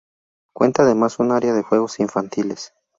Cuenta además con un área de juegos infantiles.